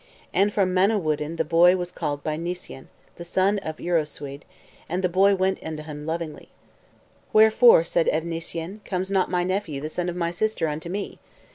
And from Manawyddan the boy was called by Nissyen, the son of Euroswydd, and the boy went unto him lovingly. "Wherefore," said Evnissyen, "comes not my nephew, the son of my sister, unto me?